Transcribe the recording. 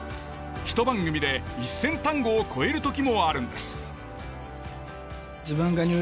ひと番組で１，０００単語を超える時もあるんです。